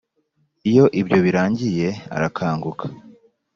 Iyo ibyo birangiye arakanguka,